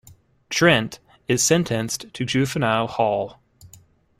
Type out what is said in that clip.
Trent is sentenced to juvenile hall.